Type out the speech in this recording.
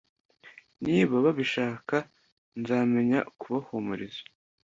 Niba babishaka nzamenya kubahumuriza